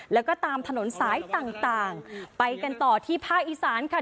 แล้วก็ตามถนนสายต่างไปกันต่อที่ภาคอีสานค่ะ